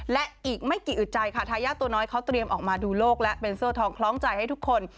และอีกไม่กี่อึดใจค่ะทายาทตัวน้อยเขาเตรียมออกมาดูโลกและเป็นโซ่ทองคล้องใจให้ทุกคน